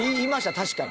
確かに。